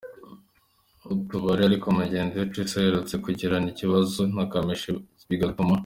utuburari ariko mugenzi we Tracy aherutse kugirana ikibazo na Kamichi bigatuma.